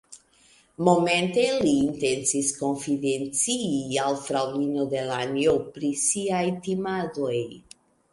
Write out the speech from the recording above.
Momente li intencis konfidencii al fraŭlino Delanjo pri siaj timadoj.